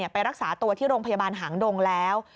ไปรักษาตัวที่โรงพยาบาลหางดงแล้ว